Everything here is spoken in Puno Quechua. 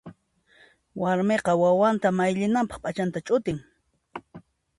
Warmiqa wawanta mayllinanpaq p'achanta ch'utin.